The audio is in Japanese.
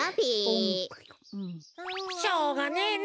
しょうがねえな。